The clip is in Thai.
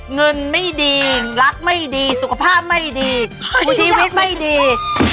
เงินไม่ดีรักไม่ดีสุขภาพไม่ดีชีวิตไม่ดี